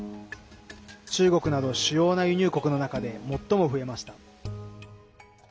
中国など主要な輸入国の中で最も増えました。